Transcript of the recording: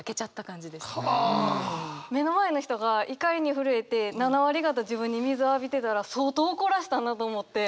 目の前の人が怒りに震えて７割方自分に水浴びてたら相当怒らしたなと思って。